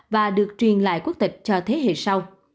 và được truyền lại quốc tịch cho thế hệ sau